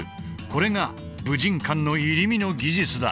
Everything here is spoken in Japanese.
これが武神館の入身の技術だ。